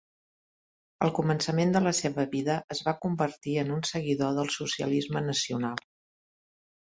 Al començament de la seva vida es va convertir en un seguidor del socialisme nacional.